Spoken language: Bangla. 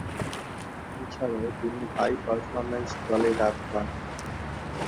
এছাড়াও তিনি হাই পারফরম্যান্স দলে ডাক পান।